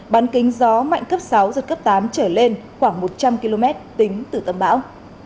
bán kính gió mạnh cấp sáu giật cấp tám trở lên khoảng một trăm linh km tính từ tâm bão